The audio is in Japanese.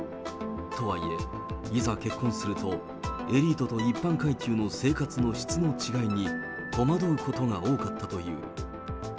とはいえ、いざ結婚すると、エリートと一般階級の生活の質の違いに、戸惑うことが多かったという。